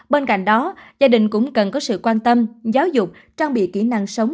bên cạnh đó gia đình cũng cần có sự quan tâm giáo dục trang bị kỹ năng sống